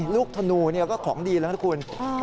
ลูกธนูนี่ก็ของดีเลยนะครับคุณ